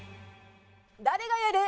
誰がやる？